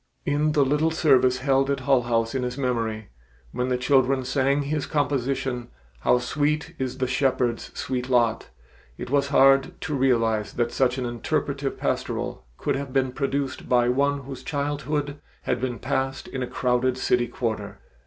In the little service held at Hull House in his memory, when the children sang his composition, "How Sweet is the Shepherd's Sweet Lot," it was hard to realize that such an interpretive pastoral could have been produced by one whose childhood had been passed in a crowded city quarter.